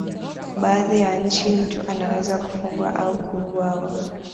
baadhi ya nchi mtu anaweza kufungwa au kuuawa